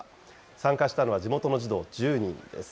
参加したのは地元の児童１０人です。